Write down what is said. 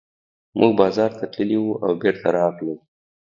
موږ بازار ته تللي وو او بېرته راغلو.